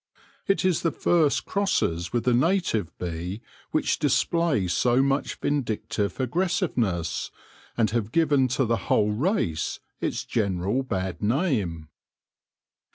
It is the first crosses with the native bee which display so much vindictive aggressiveness, and have given to the whole race its general bad name.